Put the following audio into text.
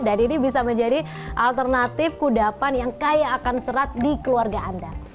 dan ini bisa menjadi alternatif kudapan yang kaya akan serat di keluarga anda